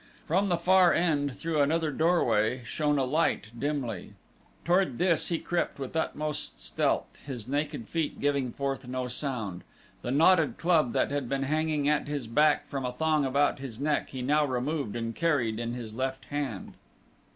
From the far end, through another doorway, shone a light, dimly. Toward this he crept with utmost stealth, his naked feet giving forth no sound. The knotted club that had been hanging at his back from a thong about his neck he now removed and carried in his left hand.